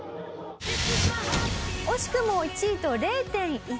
惜しくも１位と０．１点差を。